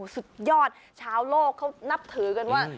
สุดยอดชาวโลกเขานับถือกันว่า